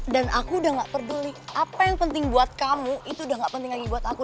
dan aku udah gak peduli apa yang penting buat kamu itu udah gak penting lagi buat aku